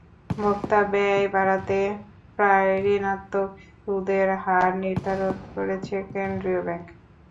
ভোক্তা ব্যয় বাড়াতে প্রায় ঋণাত্মক সুদের হার নির্ধারণ করেছে কেন্দ্রীয় ব্যাংক।